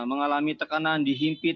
mengalami tekanan di himpit